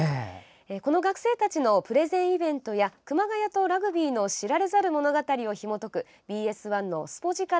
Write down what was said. この学生さんたちのプレゼンイベントや熊谷とラグビーの知られざる物語をひも解くＢＳ１の「スポヂカラ！」